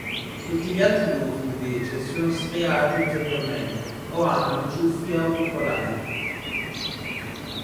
Tutti gli altri gufi invece sono striati inferiormente o hanno i ciuffi auricolari.